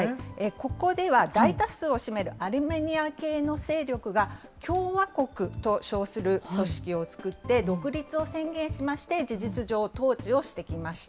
ここでは大多数を占めるアルメニア系の勢力が、共和国と称する組織を作って、独立を宣言しまして、事実上、統治をしてきました。